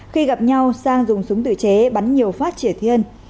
khi gặp nhau sang dùng súng tự chế bắn nhiều phát triển thiên